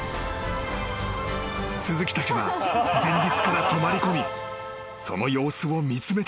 ［鈴木たちは前日から泊まり込みその様子を見つめていた］